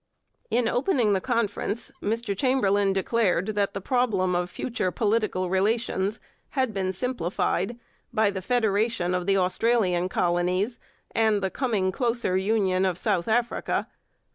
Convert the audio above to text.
In opening the Conference Mr Chamberlain declared that the problem of future political relations had been simplified by the federation of the Australian colonies and the coming closer union of South Africa.